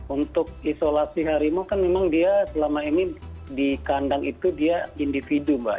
untuk isolasi harimau kan memang dia selama ini di kandang itu dia individu mbak